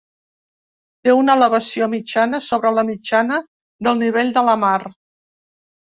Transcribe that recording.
Té una elevació mitjana sobre la mitjana del nivell de la mar.